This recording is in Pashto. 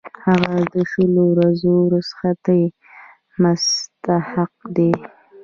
هغه د شلو ورځو رخصتۍ مستحق دی.